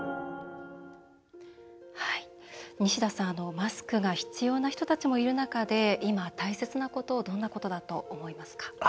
マスクが必要な人たちもいる中で今、大切なことはどんなことだと思いますか？